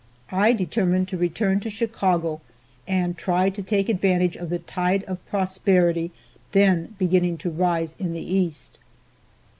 I determined to return to Chicago and try to take advantage of the tide of prosperity then beginning to rise in the East.